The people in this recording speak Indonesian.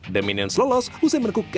dominion selolos usai menekuk ganda putra